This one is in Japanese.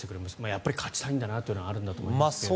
やっぱり勝ちたいんだなというのはあると思いますが。